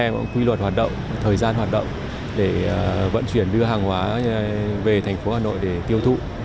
anh em cũng quy luật hoạt động thời gian hoạt động để vận chuyển đưa hàng hóa về thành phố hà nội để tiêu thụ